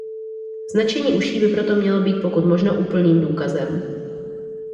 Značení uší by proto mělo být pokud možno úplným důkazem.